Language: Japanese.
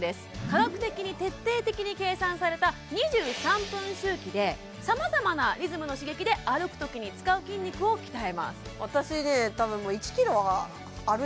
科学的に徹底的に計算された２３分周期で様々なリズムの刺激で歩くときに使う筋肉を鍛えます